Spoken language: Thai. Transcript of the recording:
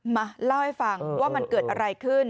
มาเล่าให้ฟังว่ามันเกิดอะไรขึ้น